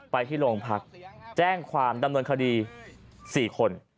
ไปที่โรงพักแจ้งความดำเนินคดี๔คน